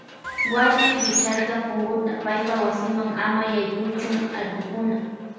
Wuarmi wicharka punkuta paypa wasima ama yaykuchun allkukuna.